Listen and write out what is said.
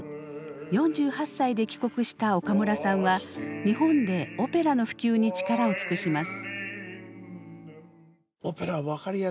４８歳で帰国した岡村さんは日本でオペラの普及に力を尽くします。